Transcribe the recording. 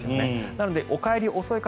なのでお帰りが遅い方